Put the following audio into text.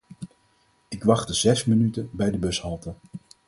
Ik wachtte zes minuten bij de bushalte.